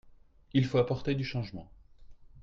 Il faut apporter du changement.